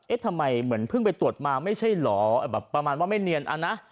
ทำไมเหมือนเพิ่งไปตรวจมาไม่ใช่เหรอแบบประมาณว่าไม่เนียนเอานะ